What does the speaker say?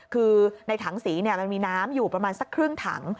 คือในถังสีมันมีน้ำอยู่ประมาณสักครึ่งถัง